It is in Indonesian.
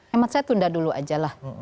hemat saya tunda dulu aja lah